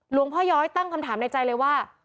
หลวงพ่อย้อยตั้งคำถามในใจเลยว่า